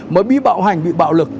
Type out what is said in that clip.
mới bị bạo hành bị bạo lực